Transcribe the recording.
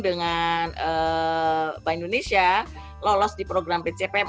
dengan bank indonesia lolos di program bcpm